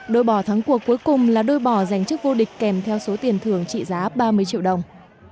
đôi bỏ thắng cuộc cuối cùng là đôi bỏ giành chức vô địch kèm theo số tiền thưởng trị giá ba mươi triệu đồng